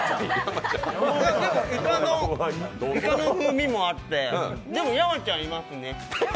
いかの風味もあって、でも山ちゃんいますね。